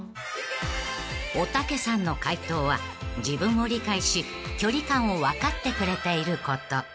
［おたけさんの回答は自分を理解し距離感を分かってくれていること］